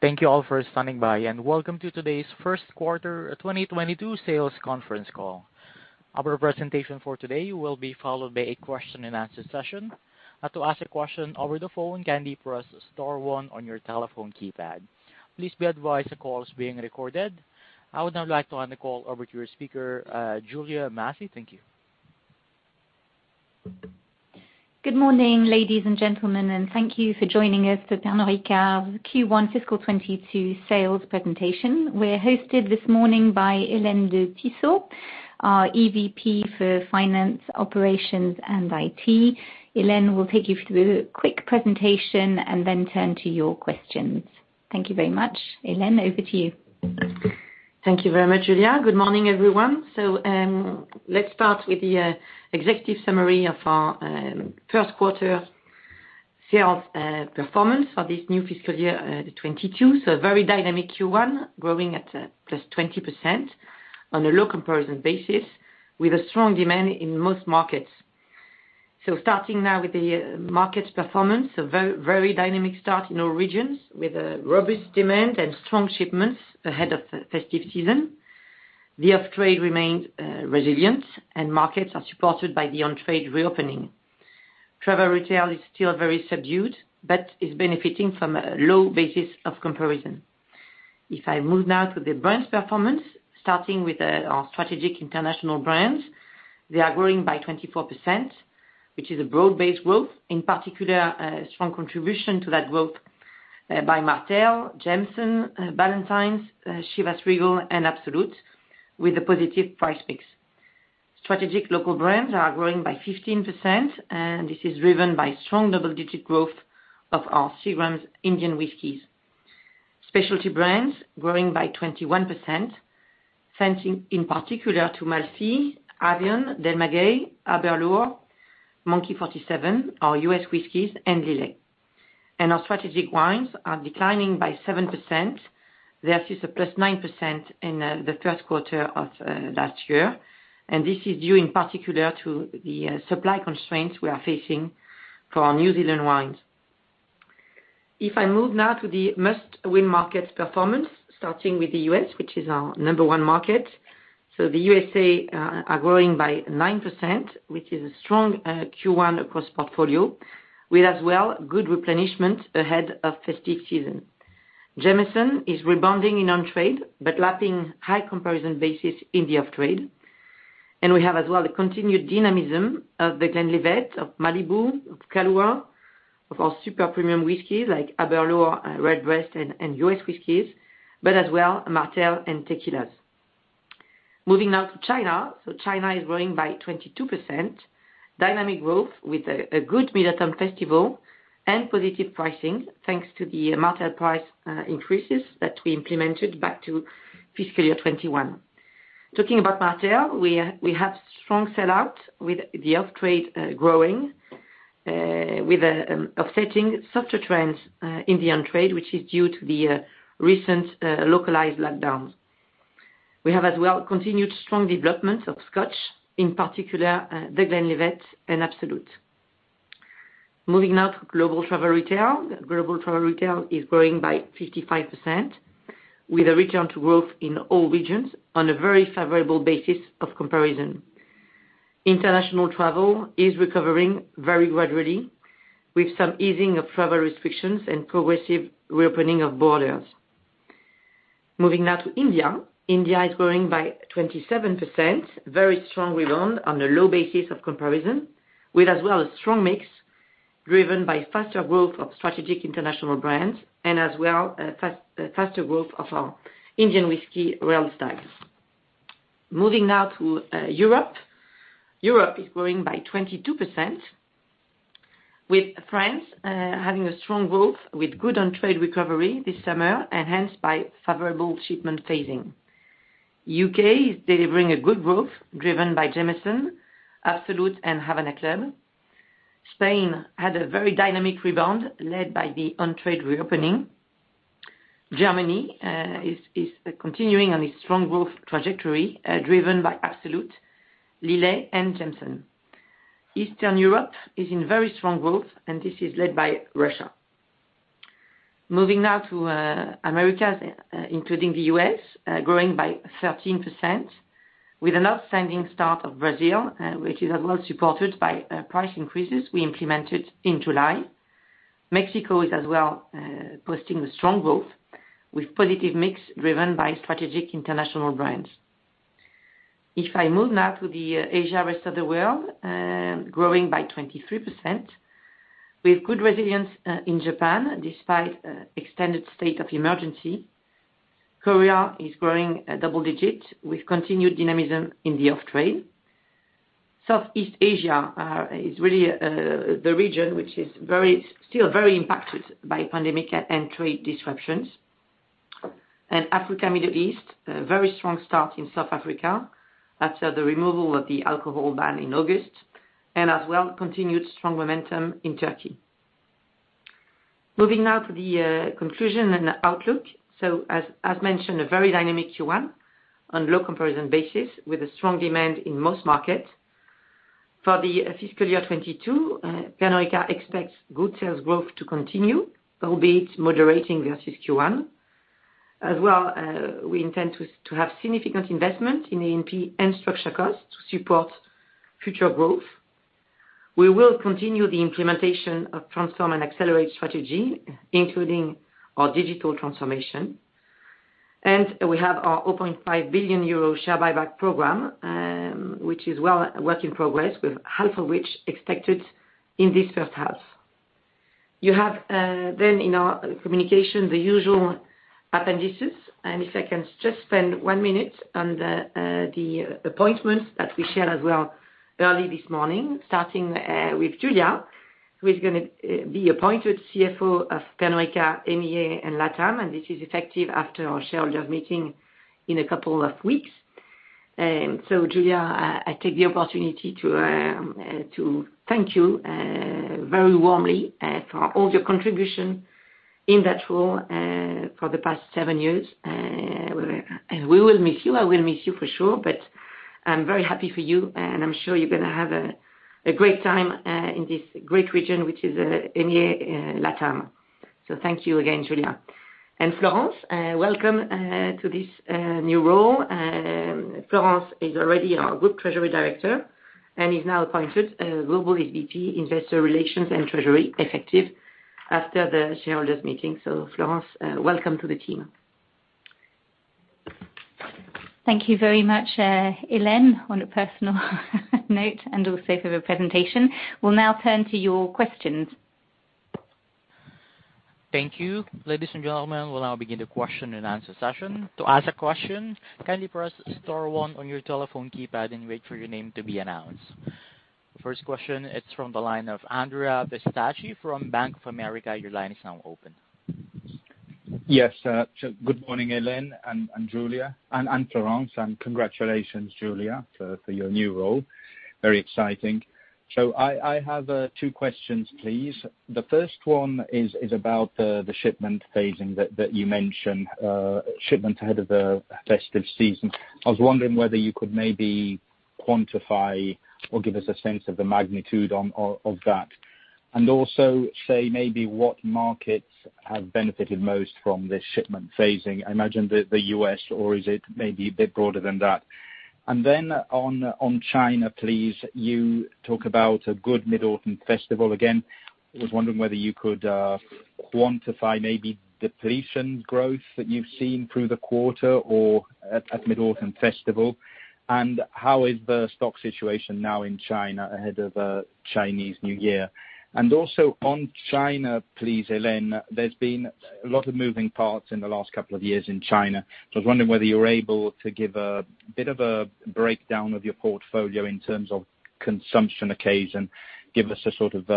Thank you all for standing by, and Welcome to today's First Quarter 2022 sales conference call. Our presentation for today will be followed by a question and answer session. To ask a question over the phone, kindly press star one on your telephone keypad. Please be advised the call is being recorded. I would now like to hand the call over to our speaker, Julia Massies. Thank you. Good morning, ladies and gentlemen, thank you for joining us for Pernod Ricard Q1 fiscal 2022 sales presentation. We're hosted this morning by Hélène de Tissot, our EVP for Finance, Operations, and IT. Hélène will take you through a quick presentation and then turn to your questions. Thank you very much. Hélène, over to you. Thank you very much, Julia. Good morning, everyone. Let's start with the executive summary of our first quarter sales performance for this new fiscal year 2022. A very dynamic Q1, growing at +20% on a low comparison basis, with a strong demand in most markets. Starting now with the market performance, a very dynamic start in all regions, with a robust demand and strong shipments ahead of the festive season. The off-trade remained resilient and markets are supported by the on-trade reopening. Travel retail is still very subdued, but is benefiting from a low basis of comparison. If I move now to the brands performance, starting with our strategic international brands, they are growing by 24%, which is a broad-based growth, in particular, a strong contribution to that growth by Martell, Jameson, Ballantine's, Chivas Regal and Absolut, with the positive price mix. Strategic local brands are growing by 15%. This is driven by strong double-digit growth of our Seagram's Indian whiskies. Specialty brands growing by 21%, thanks in particular to Malfy, Avión, Del Maguey, Aberlour, Monkey 47, our U.S. whiskies and Lillet. Our strategic wines are declining by 7%, versus a +9% in the first quarter of last year. This is due in particular to the supply constraints we are facing for our New Zealand wines. If I move now to the Must Win Markets performance, starting with the U.S., which is our number 1 market. The U.S.A. are growing by 9%, which is a strong Q1 across portfolio, with as well good replenishment ahead of festive season. Jameson is rebounding in on-trade, but lapping high comparison basis in the off-trade. We have as well, the continued dynamism of The Glenlivet, of Malibu, of Kahlúa, of our super premium whiskey like Aberlour, Redbreast and U.S. whiskies, but as well, Martell and tequilas. Moving now to China. China is growing by 22%, dynamic growth with a good Mid-Autumn Festival and positive pricing, thanks to the Martell price increases that we implemented back to fiscal year 2021. Talking about Martell, we have strong sell-out with the off-trade growing, with offsetting softer trends in the on-trade, which is due to the recent localized lockdowns. We have as well, continued strong development of Scotch, in particular, The Glenlivet and Absolut. Moving now to global travel retail. Global travel retail is growing by 55%, with a return to growth in all regions on a very favorable basis of comparison. International travel is recovering very gradually, with some easing of travel restrictions and progressive reopening of borders. Moving now to India. India is growing by 27%, very strong rebound on a low basis of comparison, with as well, a strong mix driven by faster growth of strategic international brands and as well, faster growth of our Indian whiskey Royal Stag. Moving now to Europe. Europe is growing by 22%, with France having a strong growth with good on-trade recovery this summer, enhanced by favorable shipment phasing. U.K. is delivering a good growth driven by Jameson, Absolut and Havana Club. Spain had a very dynamic rebound led by the on-trade reopening. Germany is continuing on its strong growth trajectory, driven by Absolut, Lillet and Jameson. Eastern Europe is in very strong growth, and this is led by Russia. Moving now to Americas, including the U.S., growing by 13%, with an outstanding start of Brazil, which is as well supported by price increases we implemented in July. Mexico is as well posting a strong growth with positive mix driven by strategic international brands. If I move now to the Asia rest of the world, growing by 23%, with good resilience in Japan despite extended state of emergency. Korea is growing double-digit with continued dynamism in the off-trade. Southeast Asia is really the region which is still very impacted by pandemic and trade disruptions. Africa, Middle East, a very strong start in South Africa after the removal of the alcohol ban in August, and as well, continued strong momentum in Turkey. Moving now to the conclusion and outlook. As mentioned, a very dynamic Q1 on low comparison basis with a strong demand in most markets. For the fiscal year 2022, Pernod Ricard expects good sales growth to continue, albeit moderating versus Q1. As well, we intend to have significant investment in A&P and structure costs to support future growth. We will continue the implementation of Transform and Accelerate Strategy, including our digital transformation. We have our 5 billion euro share buyback program, which is a work in progress, with half of which expected in this first half. You have in our communication, the usual appendices. If I can just spend 1 minute on the appointments that we shared as well early this morning, starting with Julia, who is going to be appointed CFO of Pernod Ricard EMEA & LATAM, and this is effective after our shareholders meeting in a couple of weeks. Julia, I take the opportunity to thank you very warmly for all your contribution in that role for the past seven years. We will miss you. I will miss you for sure, but I'm very happy for you, and I'm sure you're going to have a great time in this great region, which is EMEA and LATAM. Thank you again, Julia. Florence, welcome to this new role. Florence is already our group treasury director and is now appointed Global SVP Investor Relations & Treasury effective after the shareholders meeting. Florence, welcome to the team. Thank you very much, Hélène, on a personal note, and also for the presentation. We'll now turn to your questions. Thank you. Ladies and gentlemen, we'll now begin the question and answer session. To ask a question, kindly press star 1 on your telephone keypad and wait for your name to be announced. First question, it's from the line of Andrea Pistacchi from Bank of America. Your line is now open. Yes. Good morning, Hélène, Julia, and Florence. Congratulations, Julia, for your new role. Very exciting. I have two questions, please. The first one is about the shipment phasing that you mentioned, shipment ahead of the festive season. I was wondering whether you could maybe quantify or give us a sense of the magnitude of that. Also say maybe what markets have benefited most from this shipment phasing. I imagine the U.S. or is it maybe a bit broader than that? Then on China, please, you talk about a good Mid-Autumn Festival. Again, I was wondering whether you could quantify maybe depletion growth that you've seen through the quarter or at Mid-Autumn Festival, and how is the stock situation now in China ahead of Chinese New Year? Also on China, please, Hélène, there's been a lot of moving parts in the last couple of years in China. I was wondering whether you were able to give a bit of a breakdown of your portfolio in terms of consumption occasion, give us a sort of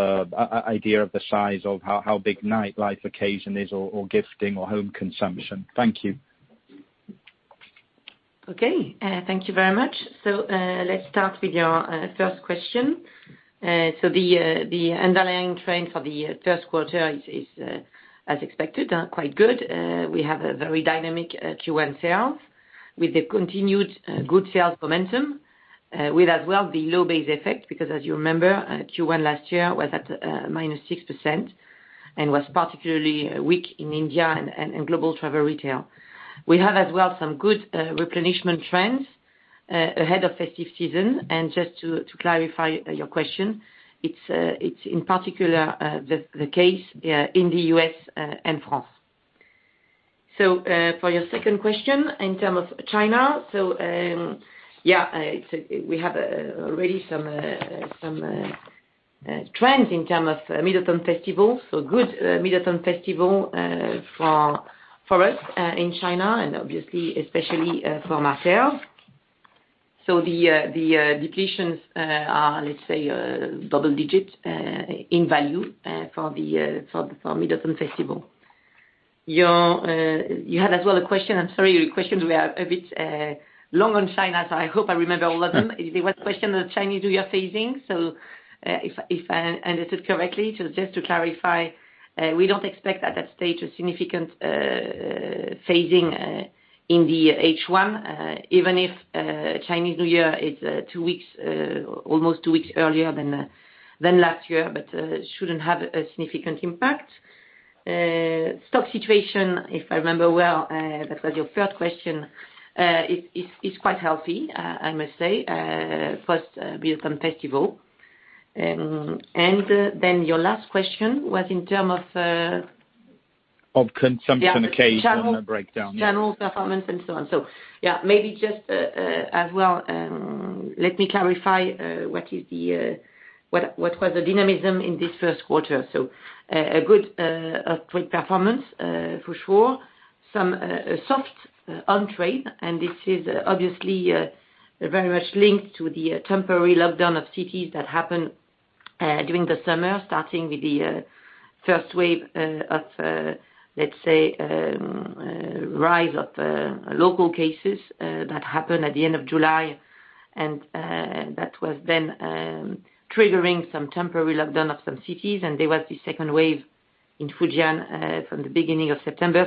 idea of the size of how big nightlife occasion is or gifting or home consumption. Thank you. Okay. Thank you very much. Let's start with your first question. The underlying trend for the first quarter is as expected, quite good. We have a very dynamic Q1 sales with a continued good sales momentum, with as well the low base effect, because as you remember, Q1 last year was at -6% and was particularly weak in India and global travel retail. We have as well some good replenishment trends ahead of festive season, and just to clarify your question, it's in particular the case in the U.S. and France. For your second question in terms of China, we have already some trends in terms of Mid-Autumn Festival, good Mid-Autumn Festival for us in China, and obviously, especially from our sales. The depletions are, let's say, double-digit in value for Mid-Autumn Festival. You had as well a question, I'm sorry, your questions were a bit long on China, I hope I remember all of them. There was a question on Chinese New Year phasing. If I answered correctly, just to clarify, we don't expect at that stage a significant phasing in the H1, even if Chinese New Year is almost two weeks earlier than last year, but shouldn't have a significant impact. Stock situation, if I remember well, that was your third question, it's quite healthy, I must say, post Mid-Autumn Festival. Your last question was in term of-general performance and so on. Of consumption occasion and the breakdown. Yeah, maybe just as well, let me clarify what was the dynamism in this first quarter. A good performance for sure. Some soft on-trade, this is obviously very much linked to the temporary lockdown of cities that happened during the summer, starting with the first wave of, let's say, rise of local cases that happened at the end of July, that was then triggering some temporary lockdown of some cities, there was the second wave in Fujian from the beginning of September.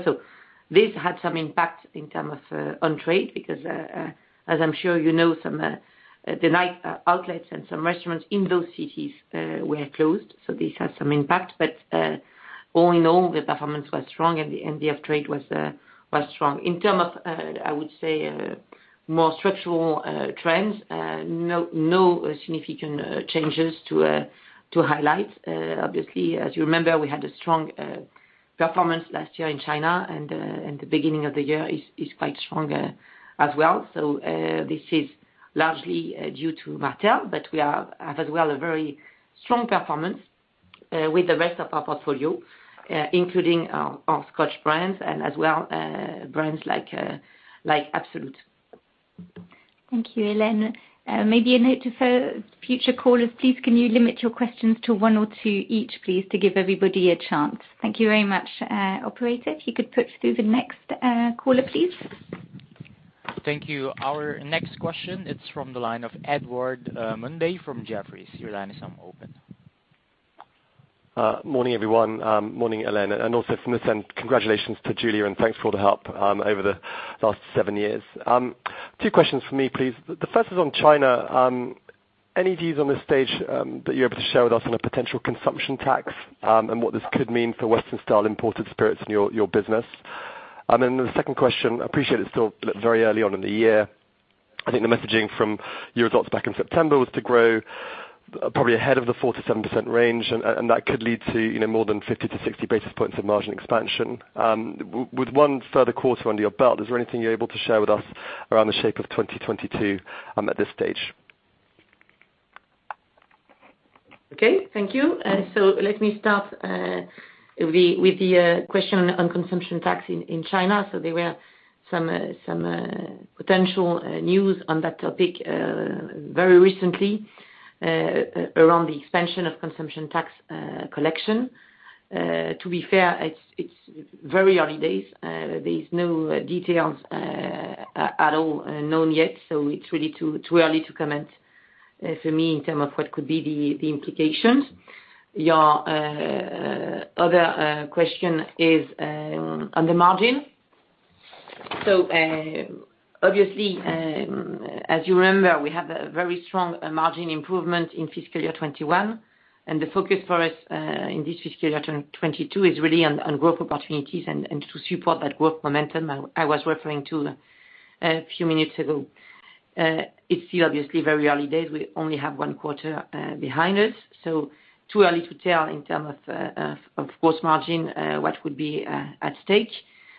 This had some impact in terms of on-trade, because, as I'm sure you know, some night outlets and some restaurants in those cities were closed. This has some impact. All in all, the performance was strong and the off-trade was strong. In terms of, I would say, more structural trends, no significant changes to highlight. Obviously, as you remember, we had a strong performance last year in China, and the beginning of the year is quite strong as well. This is largely due to Martell, but we have as well a very strong performance with the rest of our portfolio, including our Scotch brands and as well, brands like Absolut. Thank you, Hélène. A note to future callers, please, can you limit your questions to one or two each, please, to give everybody a chance. Thank you very much. Operator, if you could put through the next caller, please. Thank you. Our next question, it's from the line of Edward Mundy from Jefferies. Your line is open. Morning, everyone. Morning, Hélène, also from this end, congratulations to Julia, and thanks for all the help over the last seven years. Two questions from me, please. The first is on China. Any views on this stage that you're able to share with us on a potential consumption tax and what this could mean for Western-style imported spirits in your business? Then the second question, I appreciate it's still very early on in the year. I think the messaging from your results back in September was to grow probably ahead of the 4%-7% range, and that could lead to more than 50 to 60 basis points of margin expansion. With one further quarter under your belt, is there anything you're able to share with us around the shape of 2022 at this stage? Okay. Thank you. Let me start with the question on consumption tax in China. There were some potential news on that topic very recently around the expansion of consumption tax collection. To be fair, it's very early days. There is no details at all known yet. It's really too early to comment for me in term of what could be the implications. Your other question is on the margin. Obviously, as you remember, we have a very strong margin improvement in fiscal year 2021, and the focus for us, in this fiscal year 2022, is really on growth opportunities and to support that growth momentum I was referring to a few minutes ago. It's still obviously very early days. We only have one quarter behind us, too early to tell in terms of gross margin, what would be at stake,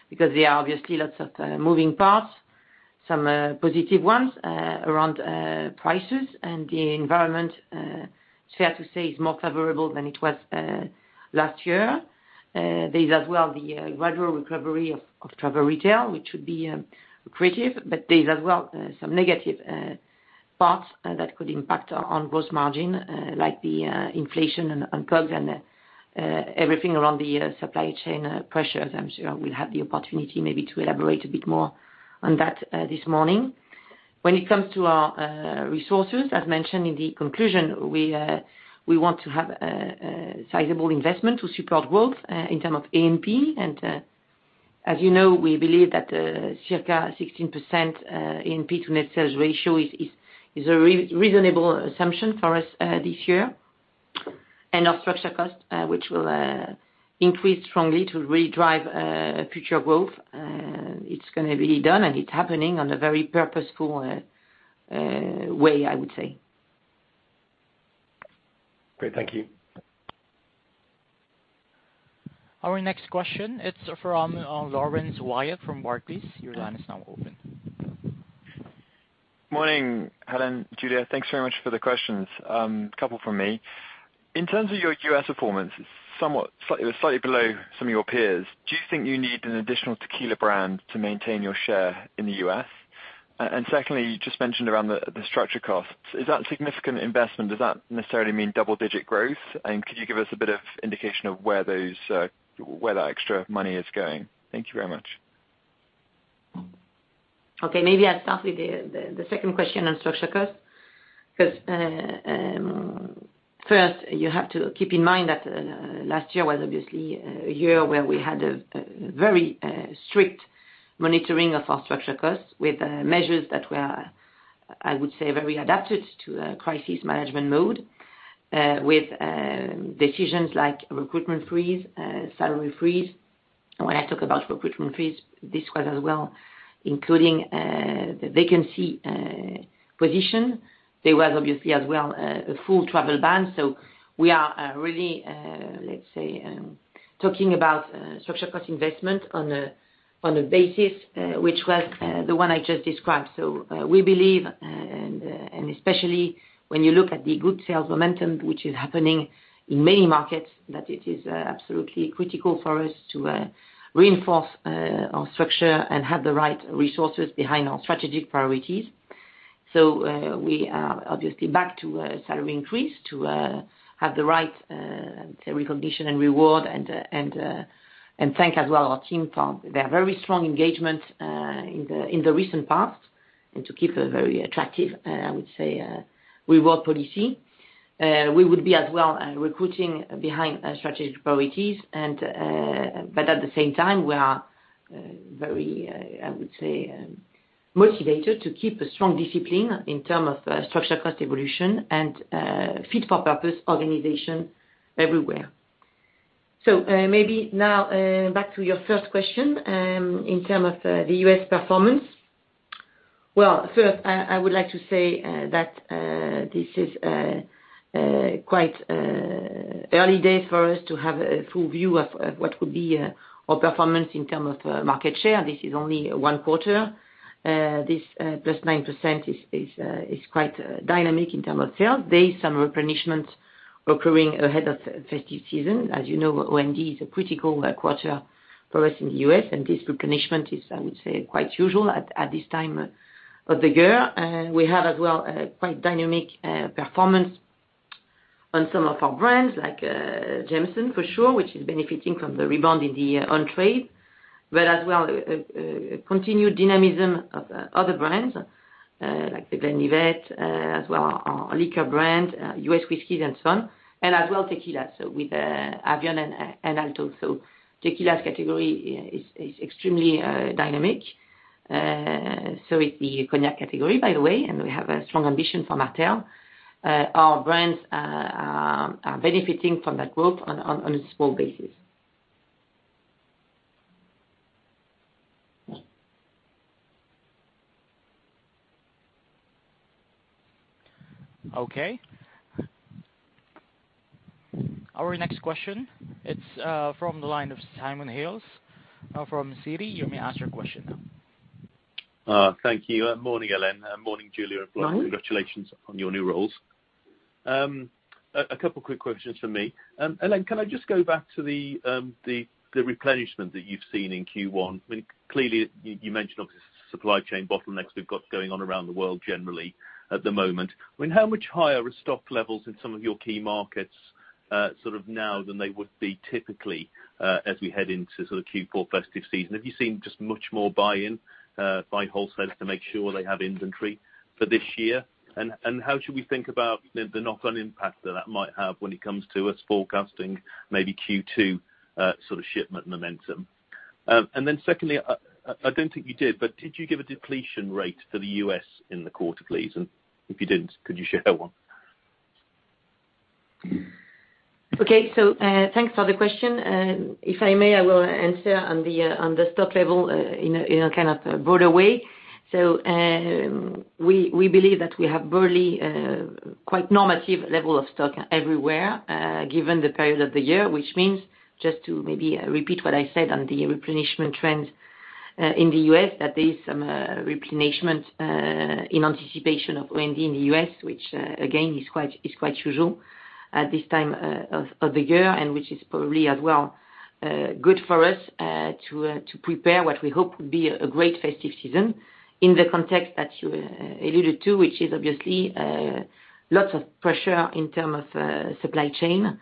because there are obviously lots of moving parts. Some positive ones around prices, the environment, it's fair to say, is more favorable than it was last year. There's as well the gradual recovery of travel retail, which would be accretive, there's as well some negative parts that could impact on gross margin, like the inflation on COGS and everything around the supply chain pressures. I'm sure I will have the opportunity maybe to elaborate a bit more on that this morning. When it comes to our resources, as mentioned in the conclusion, we want to have a sizable investment to support growth in terms of A&P. As you know, we believe that circa 16% in A&P to net sales ratio is a reasonable assumption for us this year. Our structure cost, which will increase strongly to really drive future growth. It's going to be done, and it's happening on a very purposeful way, I would say. Great. Thank you. Our next question, it's from Laurence Whyatt from Barclays. Your line is now open. Morning, Hélène, Julia. Thanks very much for the questions. Couple from me. In terms of your U.S. performance, it's slightly below some of your peers. Do you think you need an additional tequila brand to maintain your share in the U.S.? Secondly, you just mentioned around the structure costs, is that significant investment, does that necessarily mean double-digit growth? Could you give us a bit of indication of where that extra money is going? Thank you very much. Okay. Maybe I'll start with the second question on structure cost, because first you have to keep in mind that last year was obviously a year where we had a very strict monitoring of our structure costs with measures that were, I would say, very adapted to a crisis management mode, with decisions like recruitment freeze, salary freeze. When I talk about recruitment freeze, this was as well including the vacancy position. There was obviously as well a full travel ban. We are really, let's say, talking about structure cost investment on a basis, which was the one I just described. We believe, and especially when you look at the good sales momentum, which is happening in many markets, that it is absolutely critical for us to reinforce our structure and have the right resources behind our strategic priorities. We are obviously back to a salary increase to have the right recognition and reward and thank as well our team for their very strong engagement in the recent past. To keep a very attractive, I would say, reward policy. We would be as well recruiting behind strategic priorities but at the same time, we are very, I would say, motivated to keep a strong discipline in term of structural cost evolution and fit for purpose organization everywhere. Maybe now back to your first question in term of the U.S. performance. First, I would like to say that this is quite early days for us to have a full view of what would be our performance in term of market share. This is only 1 quarter. This +9% is quite dynamic in term of sales. There is some replenishment occurring ahead of festive season. As you know, OND is a critical quarter for us in the U.S., and this replenishment is, I would say, quite usual at this time of the year. We have as well a quite dynamic performance on some of our brands, like Jameson, for sure, which is benefiting from the rebound in the on-trade. As well, continued dynamism of other brands, like The Glenlivet, as well our liquor brand, U.S. Whiskeys and so on, and as well, Tequila, so with Avión and Altos. Tequila's category is extremely dynamic. Is the cognac category, by the way, and we have a strong ambition for Martell. Our brands are benefiting from that growth on a small basis. Okay. Our next question, it's from the line of Simon Hales from Citi. You may ask your question now. Thank you. Morning, Hélène. Morning, Julia. Morning. Congratulations on your new roles. A couple quick questions from me. Hélène, can I just go back to the replenishment that you've seen in Q1? Clearly, you mentioned, obviously, supply chain bottlenecks we've got going on around the world generally at the moment. How much higher are stock levels in some of your key markets now than they would be typically, as we head into Q4 festive season? Have you seen just much more buy-in by wholesalers to make sure they have inventory for this year? How should we think about the knock-on impact that that might have when it comes to us forecasting maybe Q2 shipment momentum? Then secondly, I don't think you did, but did you give a depletion rate for the U.S. in the quarter, please? If you didn't, could you share one? Okay. Thanks for the question. If I may, I will answer on the stock level in a kind of broader way. We believe that we have broadly quite normative level of stock everywhere, given the period of the year, which means, just to maybe repeat what I said on the replenishment trends in the U.S., that there is some replenishment in anticipation of OND in the U.S., which, again, is quite usual at this time of the year, and which is probably as well, good for us to prepare what we hope will be a great festive season in the context that you alluded to, which is obviously lots of pressure in terms of supply chain.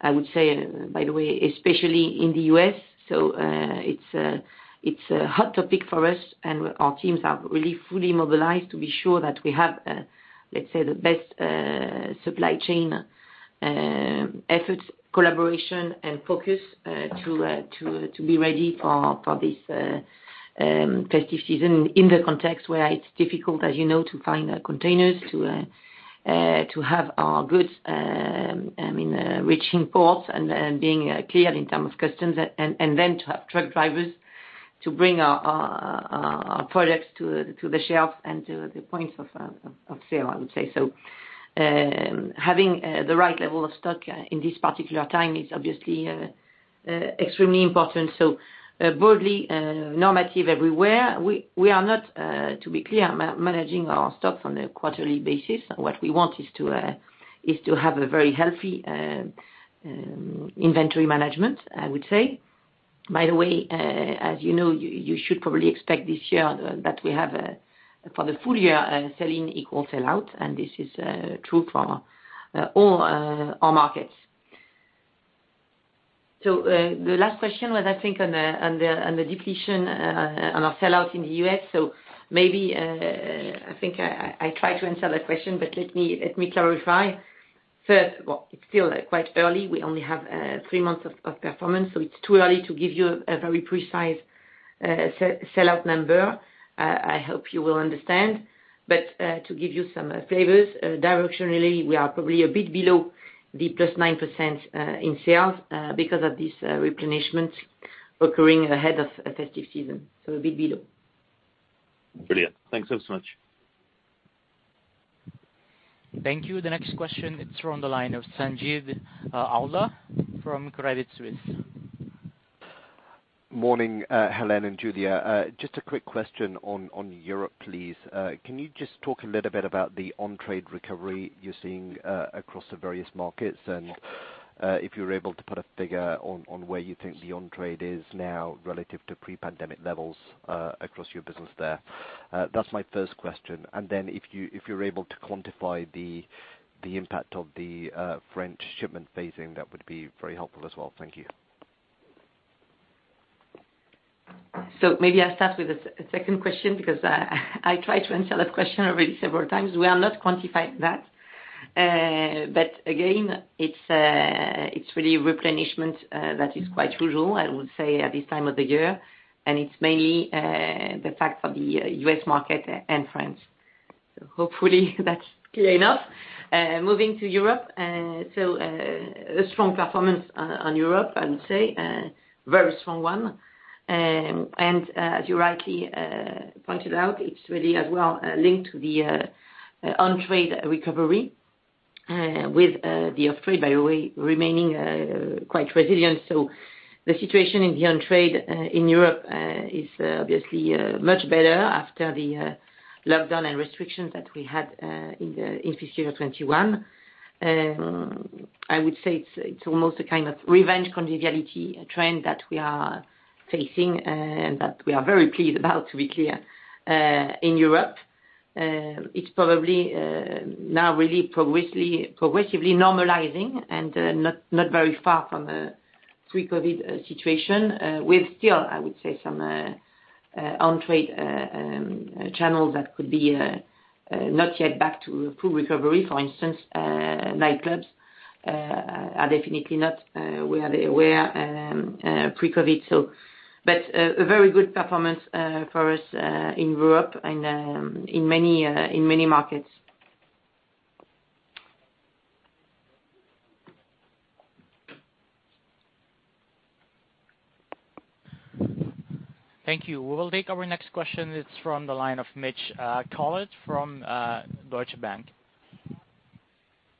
I would say, by the way, especially in the U.S. It's a hot topic for us, and our teams are really fully mobilized to be sure that we have, let's say, the best supply chain efforts, collaboration, and focus to be ready for this festive season in the context where it's difficult, as you know, to find containers, to have our goods reaching ports and being cleared in terms of customs, and then to have truck drivers to bring our products to the shelf and to the points of sale, I would say. Having the right level of stock in this particular time is obviously extremely important. Broadly, normative everywhere. We are not, to be clear, managing our stock on a quarterly basis. What we want is to have a very healthy inventory management, I would say. By the way, as you know, you should probably expect this year that we have, for the full year, sell-in equal sell-out, and this is true for all our markets. The last question was, I think, on the depletion on our sell-out in the U.S. Maybe, I think I tried to answer that question, but let me clarify. First, well, it's still quite early. We only have three months of performance, so it's too early to give you a very precise sell-out number. I hope you will understand. To give you some flavors, directionally, we are probably a bit below the +9% in sales because of these replenishments occurring ahead of festive season, a bit below. Brilliant. Thanks so much. Thank you. The next question is from the line of Sanjeet Aujla from Credit Suisse. Morning, Hélène and Julia. Just a quick question on Europe, please. Can you just talk a little bit about the on-trade recovery you're seeing across the various markets, and if you're able to put a figure on where you think the on-trade is now relative to pre-pandemic levels across your business there? That's my first question. Then if you're able to quantify the impact of the French shipment phasing, that would be very helpful as well. Thank you. Maybe I'll start with the second question because I tried to answer that question already several times. We are not quantifying that. Again, it's really replenishment that is quite usual, I would say, at this time of the year, and it's mainly the fact of the U.S. market and France. Hopefully that's clear enough. Moving to Europe. A strong performance on Europe, I would say, a very strong one. As you rightly pointed out, it's really as well linked to the on-trade recovery with the off-trade, by the way, remaining quite resilient. The situation in the on-trade in Europe is obviously much better after the lockdown and restrictions that we had in fiscal year 2021. I would say it's almost a kind of revenge conviviality trend that we are facing, that we are very pleased about, to be clear, in Europe. It's probably now really progressively normalizing and not very far from a pre-COVID situation with still, I would say, some on-trade channels that could be not yet back to full recovery. For instance, nightclubs are definitely not where they were pre-COVID. A very good performance for us in Europe and in many markets. Thank you. We will take our next question. It's from the line of Mitch Collett from Deutsche Bank.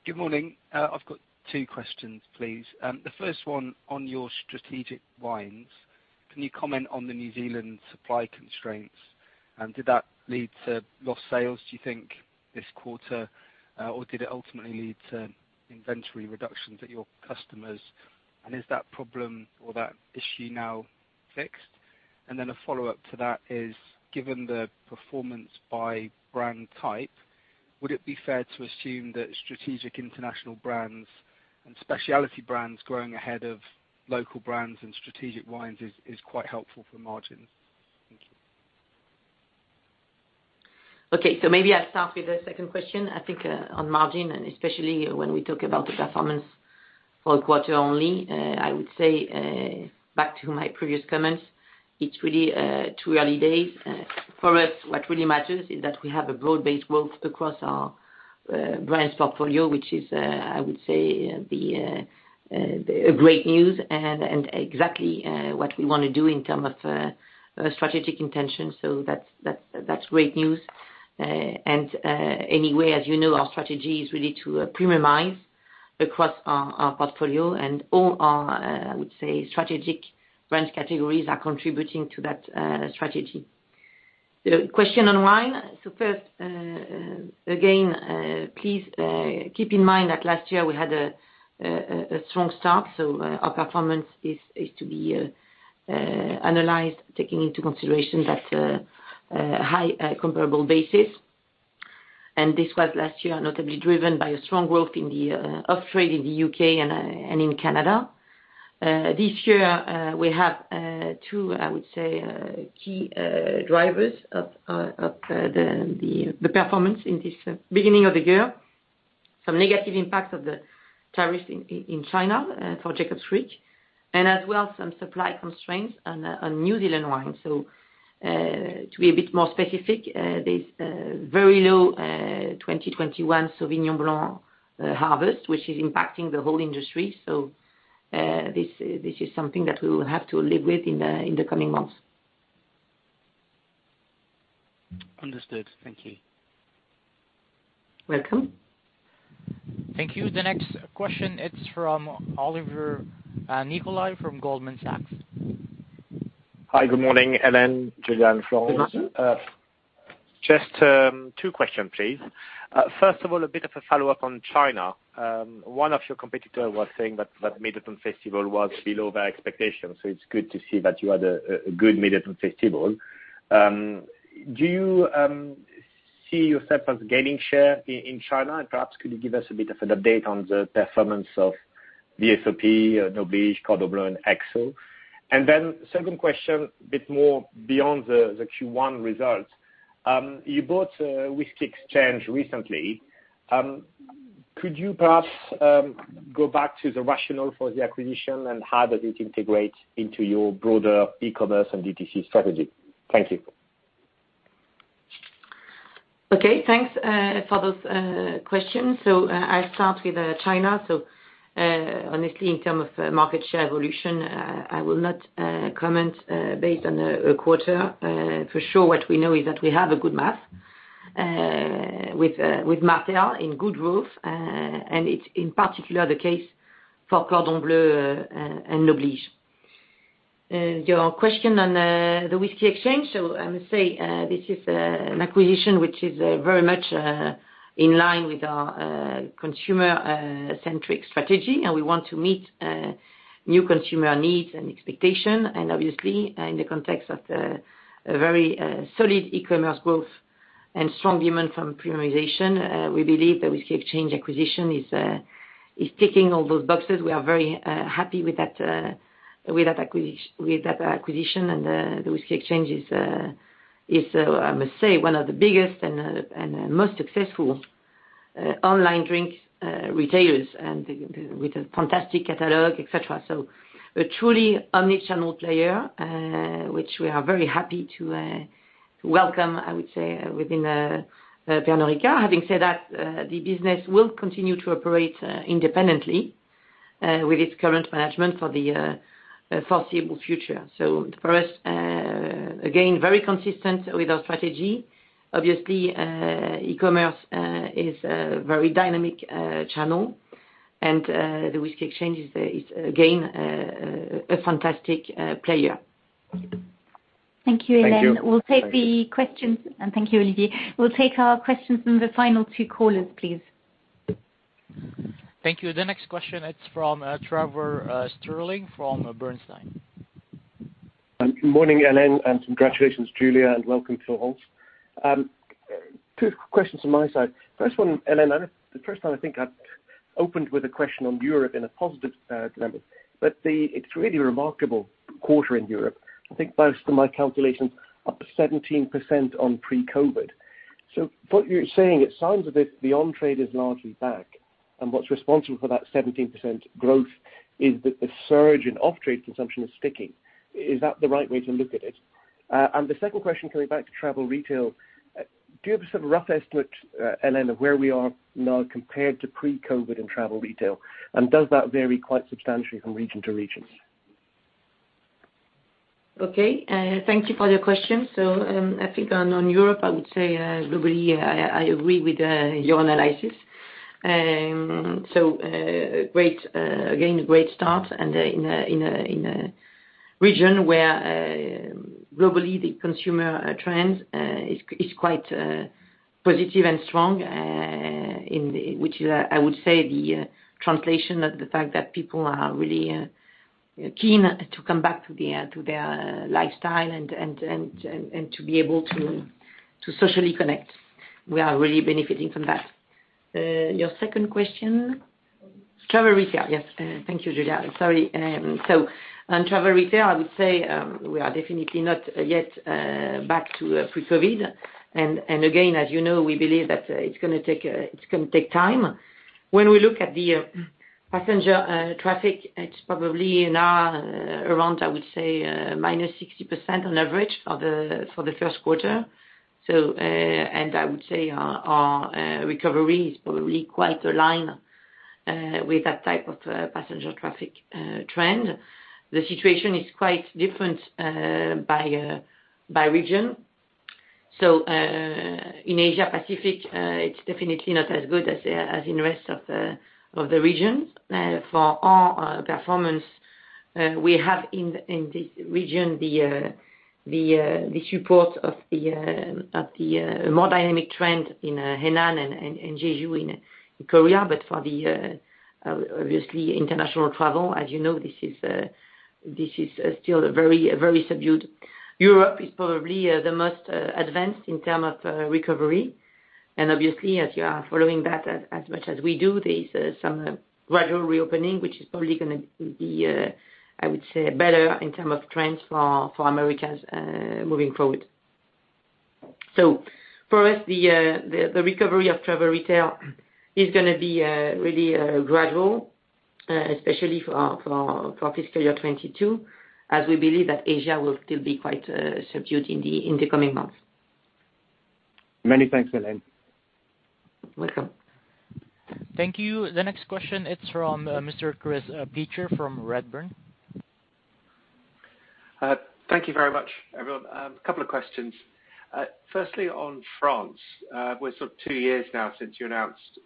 Good morning. I've got questions, please. The first one on your strategic wines. Can you comment on the New Zealand supply constraints? Did that lead to lost sales, do you think, this quarter? Did it ultimately lead to inventory reductions at your customers? Is that problem or that issue now fixed? A follow-up to that is, given the performance by brand type, would it be fair to assume that strategic international brands and specialty brands growing ahead of local brands and strategic wines is quite helpful for margin? Thank you. Okay, maybe I'll start with the second question. I think on margin, and especially when we talk about the performance for a quarter only, I would say, back to my previous comments, it's really too early days. For us, what really matters is that we have a broad-based growth across our brands portfolio, which is, I would say, a great news and exactly what we want to do in term of strategic intention. That's great news. Anyway, as you know, our strategy is really to premiumize across our portfolio and all our, I would say, strategic brand categories are contributing to that strategy. The question on wine. First, again, please keep in mind that last year we had a strong start. Our performance is to be analyzed taking into consideration that high comparable basis. This was last year notably driven by a strong growth in the off-trade in the U.K. and in Canada. This year, we have two, I would say, key drivers of the performance in this beginning of the year. Some negative impact of the tariffs in China for Jacob's Creek, and as well, some supply constraints on New Zealand wine. To be a bit more specific, there's a very low 2021 Sauvignon Blanc harvest, which is impacting the whole industry. This is something that we will have to live with in the coming months. Understood. Thank you. Welcome. Thank you. The next question, it's from Olivier Nicolai from Goldman Sachs. Hi, good morning, Hélène, Julia, Florence. Good morning. Just two question, please. First of all, a bit of a follow-up on China. one of your competitor was saying that Mid-Autumn Festival was below their expectations, so it's good to see that you had a good Mid-Autumn Festival. Do you see yourself as gaining share in China? Perhaps could you give us a bit of an update on the performance of VSOP, Noblige, Cordon Bleu, and XO? Then second question, a bit more beyond the Q1 results. You bought Whisky Exchange recently. Could you perhaps go back to the rationale for the acquisition and how does it integrate into your broader e-commerce and DTC strategy? Thank you. Okay, thanks for those questions. I'll start with China. Honestly, in terms of market share evolution, I will not comment based on a quarter. For sure, what we know is that we have a good month with Martell in good growth. It's in particular the case for Cordon Bleu and Noblige. Your question on The Whisky Exchange. I would say this is an acquisition which is very much in line with our consumer-centric strategy, and we want to meet new consumer needs and expectation. Obviously, in the context of a very solid e-commerce growth and strong demand from premiumization. We believe The Whisky Exchange acquisition is ticking all those boxes. We are very happy with that acquisition. The Whisky Exchange is, I must say, one of the biggest and most successful online drinks retailers, and with a fantastic catalog, et cetera. A truly omni-channel player, which we are very happy to welcome, I would say, within Pernod Ricard. Having said that, the business will continue to operate independently with its current management for the foreseeable future. For us, again, very consistent with our strategy. Obviously, e-commerce is a very dynamic channel, and The Whisky Exchange is again, a fantastic player. Thank you, Hélène. Thank you. Thank you, Olivier. We'll take our questions from the final two callers, please. Thank you. The next question is from Trevor Stirling from Bernstein. Good morning, Hélène, and congratulations, Julia, and welcome to Florence. Two questions from my side. First one, Hélène, the first time I think I've opened with a question on Europe in a positive number, but it's a really remarkable quarter in Europe. I think close to my calculations, up 17% on pre-COVID. What you're saying, it sounds a bit, the on-trade is largely back. What's responsible for that 17% growth is that the surge in off-trade consumption is sticking. Is that the right way to look at it? The second question coming back to travel retail, do you have a sort of rough estimate, Hélène, of where we are now compared to pre-COVID in travel retail? Does that vary quite substantially from region to region? Okay. Thank you for your question. I think on Europe, I would say globally, I agree with your analysis. Again, a great start, and in a region where globally the consumer trends is quite positive and strong, in which I would say the translation of the fact that people are really keen to come back to their lifestyle and to be able to socially connect. We are really benefiting from that. Your second question? Travel retail, yes. Thank you, Julia. Sorry. On travel retail, I would say we are definitely not yet back to pre-COVID. Again, as you know, we believe that it's going to take time. When we look at the passenger traffic, it's probably now around, I would say, -60% on average for the first quarter. I would say our recovery is probably quite aligned with that type of passenger traffic trend. The situation is quite different by region. In Asia Pacific, it's definitely not as good as in rest of the regions. For our performance, we have in this region, the support of the more dynamic trend in Hainan and Jeju in Korea. For the obviously international travel, as you know, this is still very subdued. Europe is probably the most advanced in term of recovery. Obviously, as you are following that as much as we do, there is some gradual reopening, which is probably going to be, I would say, better in term of trends for Americas moving forward. For us, the recovery of travel retail is going to be really gradual, especially for our fiscal year 2022, as we believe that Asia will still be quite subdued in the coming months. Many thanks, Hélène. Welcome. Thank you. The next question is from Mr. Chris Pitcher from Redburn. Thank you very much, everyone. A couple of questions. Firstly, on France. We're sort of two years now since you announced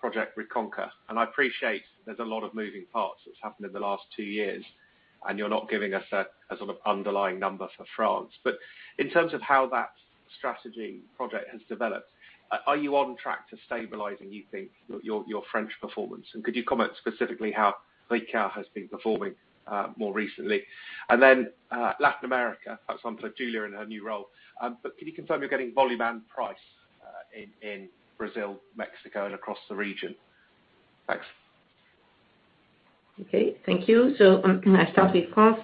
Project Reconquer. I appreciate there's a lot of moving parts that's happened in the last two years, and you're not giving us a sort of underlying number for France. In terms of how that strategy project has developed, are you on track to stabilizing, you think, your French performance? Could you comment specifically how Ricard has been performing more recently? Then Latin America, perhaps one for Julia Massies in her new role. Can you confirm you're getting volume and price in Brazil, Mexico, and across the region? Thanks. Okay, thank you. I start with France.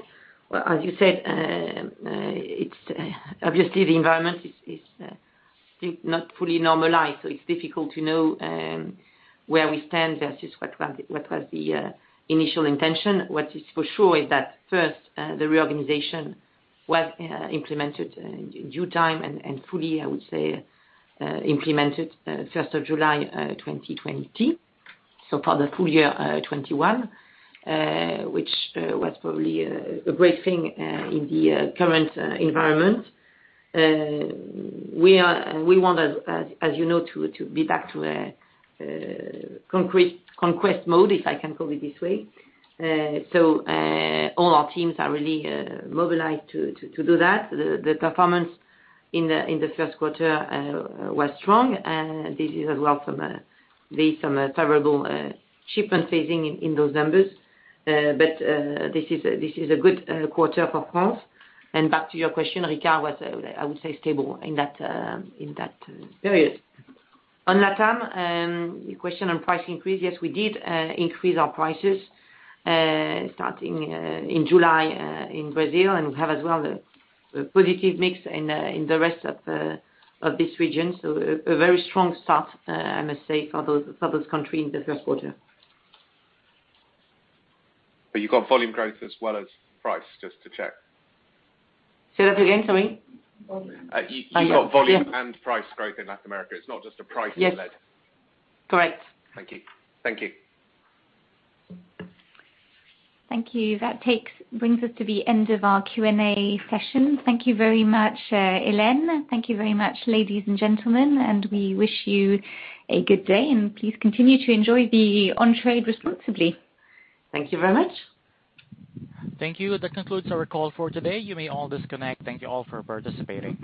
As you said, obviously the environment is still not fully normalized, it's difficult to know where we stand versus what was the initial intention. What is for sure is that first, the reorganization was implemented in due time, and fully, I would say, implemented 1st July 2020. For the full year 2021, which was probably a great thing in the current environment. We want, as you know, to be back to a conquest mode, if I can call it this way. All our teams are really mobilized to do that. The performance in the first quarter was strong. This is as well from some terrible shipment phasing in those numbers. This is a good quarter for France. Back to your question, Ricard was, I would say, stable in that period. On LATAM, your question on price increase, yes, we did increase our prices starting in July in Brazil, and we have as well a positive mix in the rest of this region. A very strong start, I must say, for those countries in the first quarter. You got volume growth as well as price? Just to check. Say that again for me. You got volume and price growth in Latin America. It's not just a pricing led. Yes. Correct. Thank you. Thank you. Thank you. That brings us to the end of our Q&A session. Thank you very much, Hélène. Thank you very much, ladies and gentlemen, and we wish you a good day, and please continue to enjoy the on-trade responsibly. Thank you very much. Thank you. That concludes our call for today. You may all disconnect. Thank you all for participating.